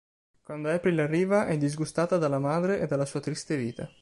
Quando April arriva, è disgustata dalla madre e dalla sua triste vita.